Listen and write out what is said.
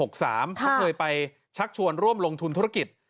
เขาเคยไปชักชวนร่วมลงทุนธุรกิจ